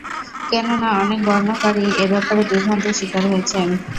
কেননা, অনেক বর্ণনাকারীই এ ব্যাপারে বিভ্রান্তির শিকার হয়েছেন।